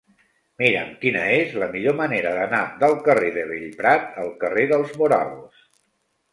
Mira'm quina és la millor manera d'anar del carrer de Bellprat al carrer dels Morabos.